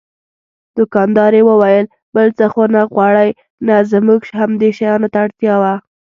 دوکاندارې وویل: بل څه خو نه غواړئ؟ نه، زموږ همدې شیانو ته اړتیا وه.